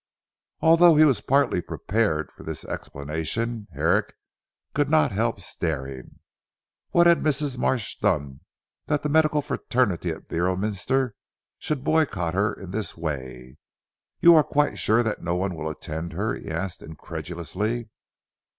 Although he was partly prepared for this explanation, Herrick could not help staring. What had Mrs. Marsh done that the medical fraternity at Beorminster should boycott her in this way? "You are quite sure that no one will attend her?" he asked incredulously.